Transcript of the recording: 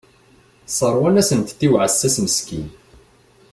Sseṛwan-as-tent i uɛessas meskin.